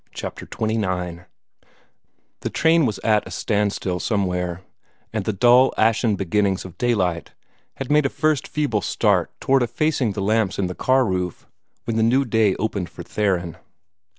CHAPTER XXIX The train was at a standstill somewhere, and the dull, ashen beginnings of daylight had made a first feeble start toward effacing the lamps in the car roof, when the new day opened for Theron.